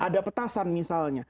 ada petasan misalnya